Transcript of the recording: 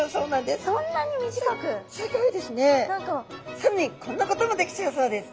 さらにこんなこともできちゃうそうです。